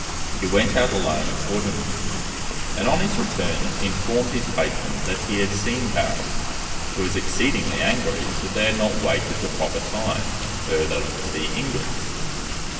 He went out alone accordingly, and on his return informed his patron that he had seen Barron, who was exceedingly angry that they had not waited the proper time ere they looked for the ingots.